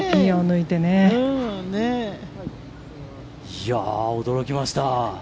いやぁ、驚きました。